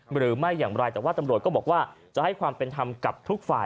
หรือไม่อย่างไรแต่ว่าตำรวจก็บอกว่าจะให้ความเป็นธรรมกับทุกฝ่าย